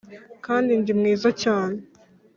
kandi ndi mwiza cyane